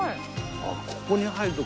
あっここに入ると。